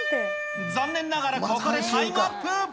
残念ながらここでタイムアップ。